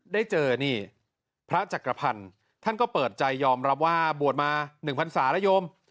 ได้เจอนี่พระจักรพรรณท่านก็เปิดใจยอมรับว่าบวชมา๑๐๐๐สาระยม